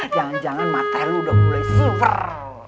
jangan jangan mata lu udah mulai sulpah